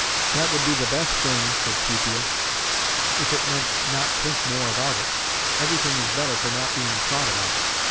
"That would be the best thing," said Sepia, "if it meant not think more about it. Everything is better for not being thought about.